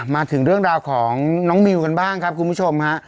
มาถึงเรื่องราวของน้องมิวกันบ้างครับคุณผู้ชมฮะ